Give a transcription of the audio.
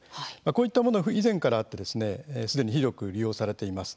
こういったものは以前からあってすでに広く利用されています。